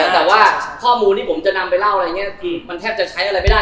แต่ว่าข้อมูลนี้ผมจะนำไปเล่าอะไรเขาแทบจะใช้อะไรไม่ได้ละ